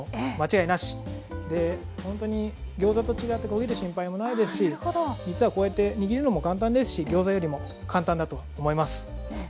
でほんとにギョーザと違って焦げる心配もないですし実はこうやって握るのも簡単ですしギョーザよりも簡単だと思います。ね。